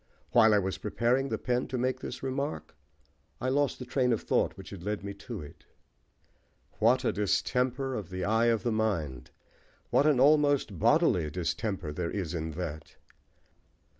While I was preparing the pen to make this remark, I lost the train of thought which had led me to it." What a distemper of the eye of the mind! What an almost bodily distemper there is in that!